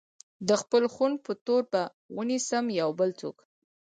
د خپل خون په تور به ونيسم يو بل څوک